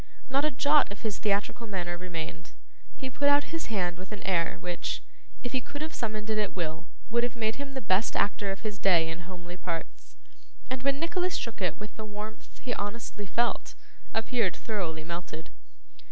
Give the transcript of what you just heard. Not a jot of his theatrical manner remained; he put out his hand with an air which, if he could have summoned it at will, would have made him the best actor of his day in homely parts, and when Nicholas shook it with the warmth he honestly felt, appeared thoroughly melted.